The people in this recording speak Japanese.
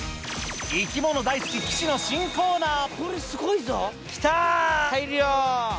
生き物大好き、岸の新コーナー。